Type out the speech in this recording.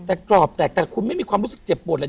แต่กรอบแตกแต่คุณไม่มีความรู้สึกเจ็บปวดเลย